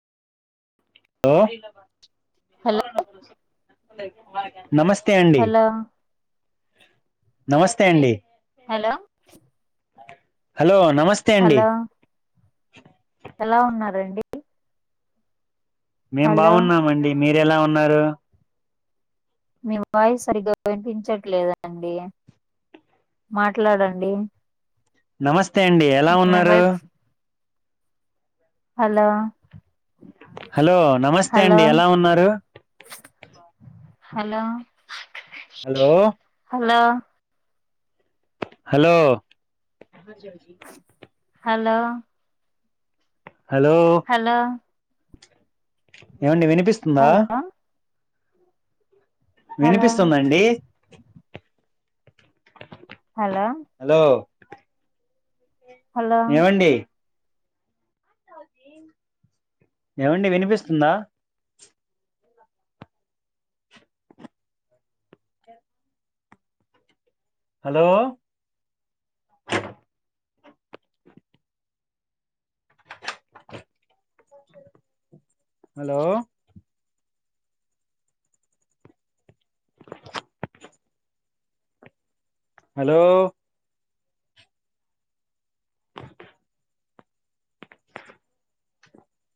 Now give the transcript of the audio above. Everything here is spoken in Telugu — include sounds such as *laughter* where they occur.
ఓ హలో నమస్తే అండి హలో నమస్తే అండి హలో హలో నమస్తే అండి హలో ఎలా ఉన్నారండి మేం హలో బాగున్నామండి మీరు ఎలా ఉన్నారు మీ వాయిస్ సరిగ్గా వినిపించట్లేదండి మాట్లాడండి నమస్తే అండి ఎలా ఇమ్రాన్ ఉన్నారు వైఫ్ హలో హలో నమస్తే హలో అండి ఎలా ఉన్నారు hello hello hello hello hello hello hello ఏవండి వినిపిస్తుందా? హలో హలో హలో వినిపిస్తుందండి? హలో హలో హలో ఏవండి ఏవండి వినిపిస్తుందా? Hello *inaudible* hello hello